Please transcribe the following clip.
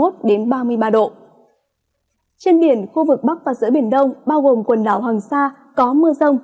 trên biển khu vực bắc và giữa biển đông bao gồm quần đảo hoàng sa có mưa rông